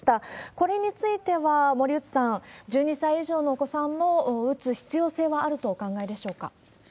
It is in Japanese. これについては森内さん、１２歳以上のお子さんも打つ必要性はあるとお考えでしょうか？